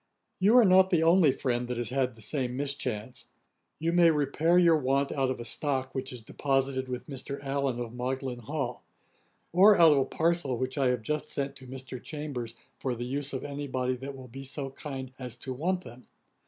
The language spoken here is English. You are not the only friend that has had the same mischance. You may repair your want out of a stock, which is deposited with Mr. Allen, of Magdalen Hall; or out of a parcel which I have just sent to Mr. Chambers for the use of any body that will be so kind as to want them.